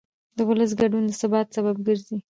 د ولس ګډون د ثبات سبب ګرځي